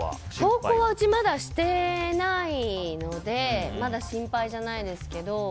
投稿はうちまだしてないのでまだ心配じゃないですけど。